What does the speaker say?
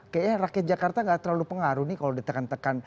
kayaknya rakyat jakarta gak terlalu pengaruh nih kalau ditekan tekan